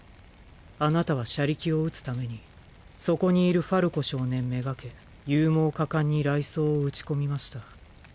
あなたは車力を討つためにそこにいるファルコ少年目がけ勇猛果敢に雷槍を撃ち込みました。